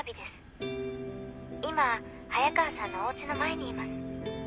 「今早川さんのおうちの前にいます」